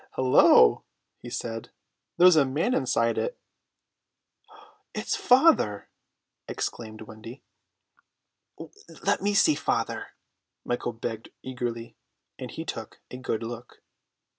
"Hullo," he said, "there's a man inside it." "It's father!" exclaimed Wendy. "Let me see father," Michael begged eagerly, and he took a good look.